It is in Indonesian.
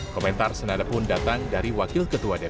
komentar senada pun datang dari wakil ketua dpr